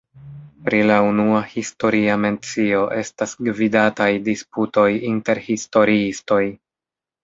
Pri la unua historia mencio estas gvidataj disputoj inter historiistoj.